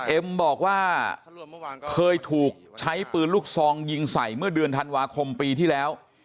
เอ็มบอกว่าเคยถูกใช้ปืนลูกซองยิงใส่เมื่อเดือนธันวาคมปีที่แล้ว